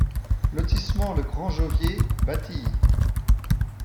Lotissement Le Grand Jovier, Batilly